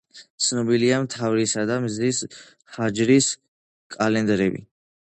ცნობილია მთვარისა და მზის ჰიჯრის კალენდრები.